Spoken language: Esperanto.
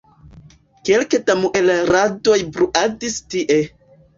Kelke da muelradoj bruadis tie.